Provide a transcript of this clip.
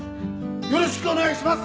よろしくお願いします！